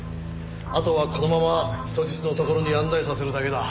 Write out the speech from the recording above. あとはこのまま人質のところに案内させるだけだ。